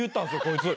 こいつ。